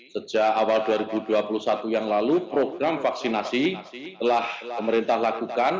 sejak awal dua ribu dua puluh satu yang lalu program vaksinasi telah pemerintah lakukan